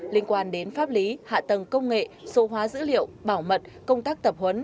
liên quan đến pháp lý hạ tầng công nghệ số hóa dữ liệu bảo mật công tác tập huấn